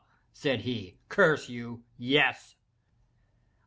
said he, "curse you! yes!"